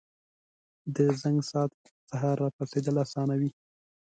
• د زنګ ساعت سهار پاڅېدل اسانوي.